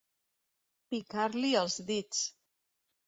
Picar-li els dits.